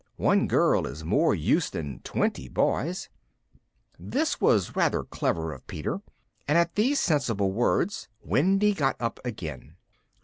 One girl is more use than twenty boys." This was rather clever of Peter, and at these sensible words Wendy got up again.